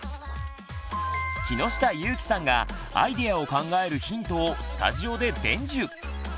木下ゆーきさんがアイデアを考えるヒントをスタジオで伝授！